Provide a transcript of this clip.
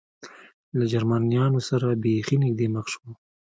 له جرمنیانو سره بېخي نږدې مخ شو.